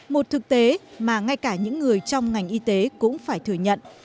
một thực tế mà ngay cả những người trong ngành y tế cũng phải thừa nhận